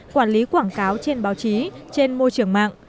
quản lý quảng cáo trên báo chí trên môi trường mạng